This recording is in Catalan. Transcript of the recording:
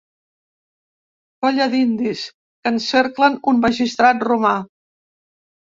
Colla d'indis que encerclen un magistrat romà.